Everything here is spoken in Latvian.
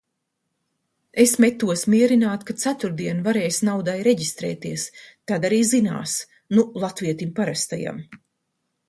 Es metos mierināt, ka ceturtdien varēs naudai reģistrēties, tad arī zinās. Nu latvietim parastajam.